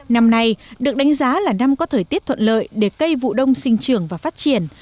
năm nay được đánh giá là năm có thời tiết thuận lợi để cây vụ đông sinh trường và phát triển